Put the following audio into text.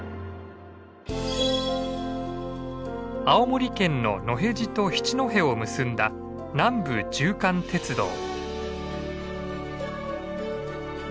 青森県の野辺地と七戸を結んだ南部縦貫鉄道。